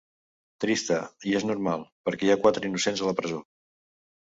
Trista, i és normal, perquè hi ha quatre innocents a la presó.